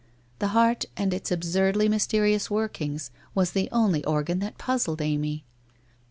The heart and its absurdly mysterious workings, was the only organ that puzzled Amy.